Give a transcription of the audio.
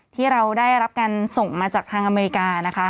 ที่เราได้รับการส่งมาจากทางอเมริกานะคะ